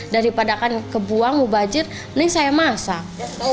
daripada akan kebuang mau bajir ini saya masak